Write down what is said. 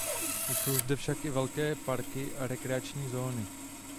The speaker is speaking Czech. Jsou zde však i velké parky a rekreační zóny.